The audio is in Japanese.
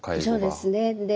そうですね。